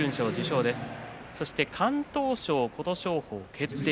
そして敢闘賞は琴勝峰、決定。